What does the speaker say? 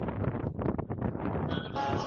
پوهېږې ولې کېناست او روان نه شو دا غر؟